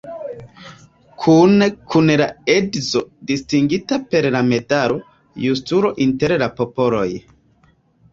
Kune kun la edzo distingita per la medalo "Justulo inter la popoloj".